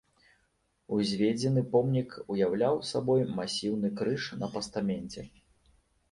Узведзены помнік уяўляў сабой масіўны крыж на пастаменце.